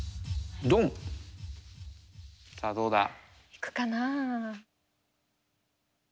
行くかな？